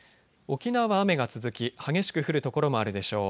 沖縄は雨が続き激しく降る所もあるでしょう。